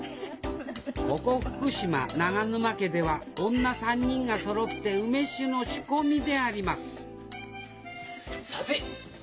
ここ福島長沼家では女３人がそろって梅酒の仕込みでありますさて私も手伝いましょうか？